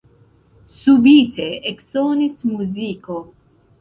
Subite eksonis muziko!